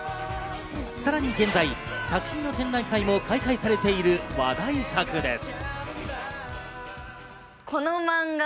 さらに現在、作品の展覧会も開催されている話題作です。